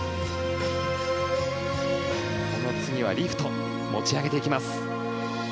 この次はリフト持ち上げていきました。